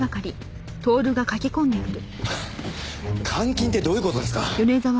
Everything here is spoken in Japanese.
監禁ってどういう事ですか！？